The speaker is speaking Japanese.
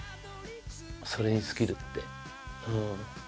「それに尽きる」ってうん。